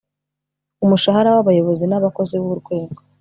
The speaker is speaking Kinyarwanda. umushahara w abayobozi n abakozi b urwego